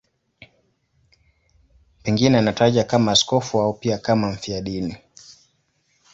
Pengine anatajwa kama askofu au pia kama mfiadini.